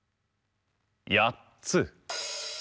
やっつ。